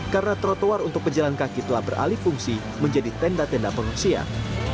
karena trotoar untuk penjalan kaki telah beralih fungsi menjadi tenda tenda pengungsian